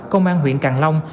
công an huyện càng long